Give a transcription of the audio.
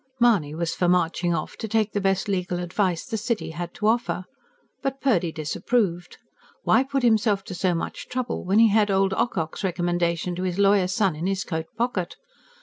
Mahony was for marching off to take the best legal advice the city had to offer. But Purdy disapproved. Why put himself to so much trouble, when he had old Ocock's recommendation to his lawyer son in his coat pocket?